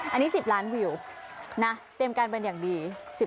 อันนี้๑๐ล้านวิวนะเตรียมการเป็นอย่างดี